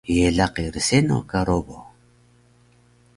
Ye laqi rseno ka Robo?